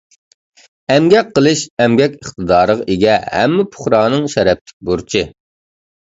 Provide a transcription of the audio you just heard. ئەمگەك قىلىش — ئەمگەك ئىقتىدارىغا ئىگە ھەممە پۇقرانىڭ شەرەپلىك بۇرچى.